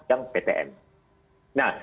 yang ptn nah